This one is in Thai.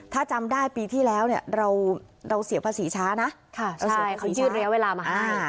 ถ้าจำได้ปีที่แล้วเนี่ยเราเราเสียภาษีช้านะค่ะใช่คือยื่นระยะเวลามาอ่า